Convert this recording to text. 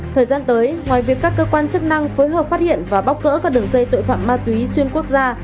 thời gian tới ngoài việc các cơ quan chức năng phối hợp phát hiện và bóc gỡ các đường dây tội phạm ma túy xuyên quốc gia